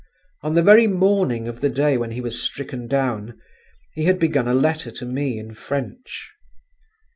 On the very morning of the day when he was stricken down, he had begun a letter to me in French.